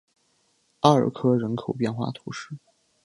阿尔科人口变化图示